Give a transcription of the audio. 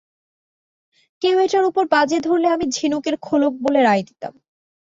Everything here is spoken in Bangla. কেউ এটার ওপর বাজি ধরলে আমি ঝিনুকের খোলক বলে রায় দিতাম।